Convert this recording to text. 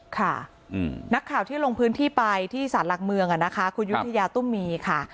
ค่ะนักข่าวที่ลงพื้นที่ไปที่ศาลหลักเมืองนะคะคุณยุธยาตุ้มมีค่ะ